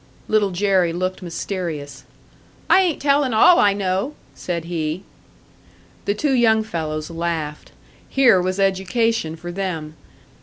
Little Jerry looked mysterious. "I ain't tellin' all I know," said he. The two young fellows laughed. Here was education for them!